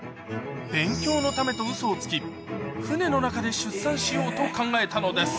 勉強のためとうそをつき、船の中で出産しようと考えたのです。